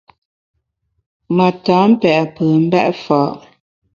Ma tam pe’ pùem mbèt fa’.